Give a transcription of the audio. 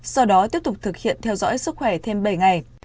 sau đó tiếp tục thực hiện theo dõi sức khỏe thêm bảy ngày